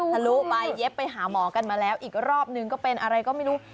ทะลุไปเย็บไปหาหมอกันมาแล้วอีกรอบนึงก็เป็นอะไรก็ไม่รู้